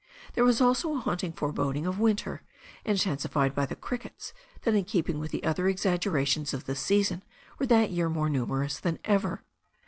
There was also a haunting foreboding of winter, intensified by the crickets, that in keeping with the other exaggerations of the season were that year more numerous than ever.